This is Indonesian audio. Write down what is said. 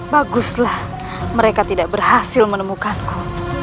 baguslah mereka tidak berhasil menemukanku